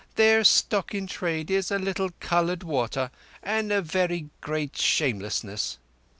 "Their stock in trade is a little coloured water and a very great shamelessness.